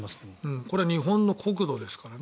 これは日本の国土ですからね。